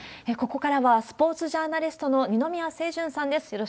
ここからはスポーツジャーナリストの二宮清純さんです。